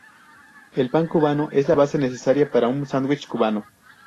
El pan cubano es la base necesaria para un sándwich cubano.